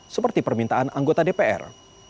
seperti permintaan anggota dpr